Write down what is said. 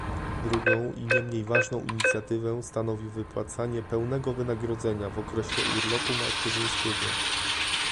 Drugą i niemniej ważną inicjatywę stanowi wypłacanie pełnego wynagrodzenia w okresie urlopu macierzyńskiego